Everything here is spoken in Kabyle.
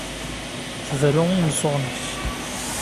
Tberru i yimeẓẓuɣen-is.